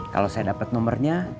kalau saya dapet nomernya